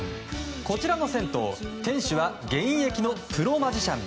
こちらの銭湯店主は現役のプロマジシャン。